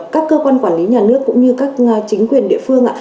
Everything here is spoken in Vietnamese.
các cơ quan quản lý nhà nước cũng như các chính quyền địa phương